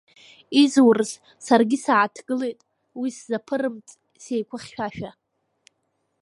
Изурыз, саргьы сааҭгылеит, уи сзаԥырымҵт сеиқәыхьшәашәа…